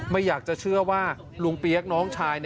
ไม่อยากจะเชื่อว่าลุงเปี๊ยกน้องชาย